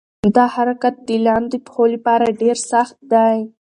دا حرکت د لاندې پښو لپاره ډېر سخت دی.